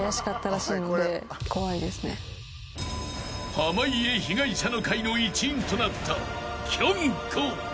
［濱家被害者の会の一員となったきょんこ］